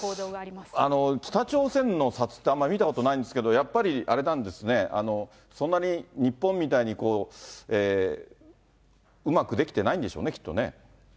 北朝鮮のお札って、あんまり見たことないんですけど、あれなんですね、そんなに日本みたいにうまくできてないんでしょうね、きっとね。